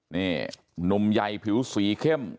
นี่หนุ่มใหญ่ผิวสีเข้ม